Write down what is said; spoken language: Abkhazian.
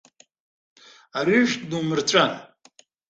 Арыжәтә нумырҵәан.